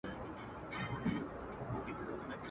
سپین کالي مي چېرته یو سم له اسمانه یمه ستړی.